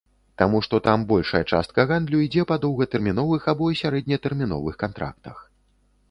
Таму што там большая частка гандлю ідзе па доўгатэрміновых або сярэднетэрміновых кантрактах.